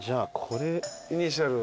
イニシャル。